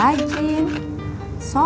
ya udah mas